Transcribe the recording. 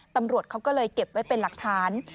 ตำรวจเขาก็เลยเก็บไว้เป็นหลักฐาน